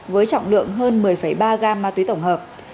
với trọng lượng hơn một mươi ba gam ma túy tổng hợp